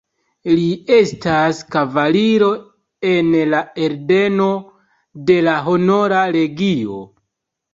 Li estas kavaliro en la ordeno de la Honora Legio.